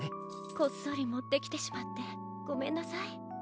こっそりもってきてしまってごめんなさい。